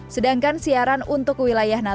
sedangkan siaran untuk wilayah natuna